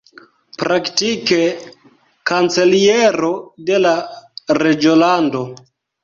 Praktike kanceliero de la reĝolando.